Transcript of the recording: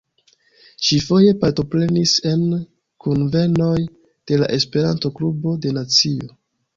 Ŝi foje partoprenis en kunvenoj de la Esperanto-Klubo de Nancio.